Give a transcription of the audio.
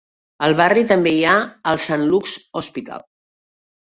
Al barri també hi ha el Saint Luke's Hospital.